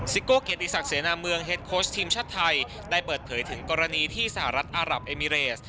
โก้เกียรติศักดิเสนาเมืองเฮดโค้ชทีมชาติไทยได้เปิดเผยถึงกรณีที่สหรัฐอารับเอมิเรส